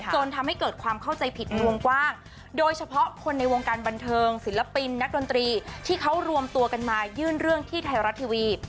จนทำให้เกิดความเข้าใจผิดในวงกว้างโดยเฉพาะคนในวงการบันเทิงศิลปินนักดนตรีที่เขารวมตัวกันมายื่นเรื่องที่ไทยรัฐทีวี